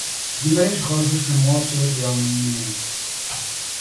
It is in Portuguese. Guimarães Rosa foi um autor e homem eminente.